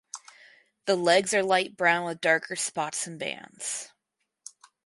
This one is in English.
The legs are light brown with darker spots and bands.